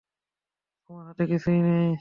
তোমার হাতে কিছুই নেই।